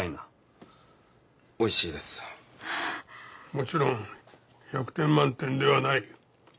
もちろん１００点満点ではない。